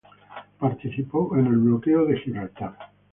Participó en el bloqueo de Gibraltar.